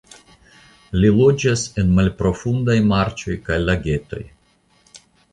Li loĝas en malprofundaj marĉoj kaj lagetoj.